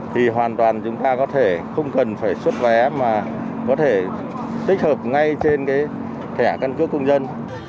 thì hoàn toàn chúng ta có thể không cần phải xuất vé mà có thể tích hợp ngay trên cái thẻ căn cước công dân